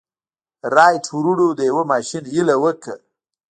رايټ وروڼو د يوه ماشين هيله وکړه.